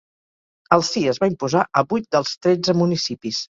El sí es va imposar a vuit dels tretze municipis.